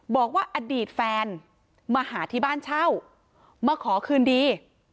บอกว่าอดีตแฟนมาหาที่บ้านเช่ามาขอคืนดี